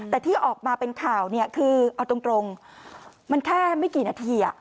แต่ที่ออกมาเป็นข่าวเนี่ยคือเอาตรงมันแค่ไม่กี่นาที